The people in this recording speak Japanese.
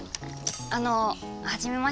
あのはじめまして。